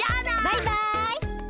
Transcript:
バイバイ！